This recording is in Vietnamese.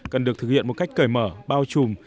cần được thực hiện một cách cởi mở bao trùm